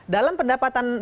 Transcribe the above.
dalam pendapatan loh ya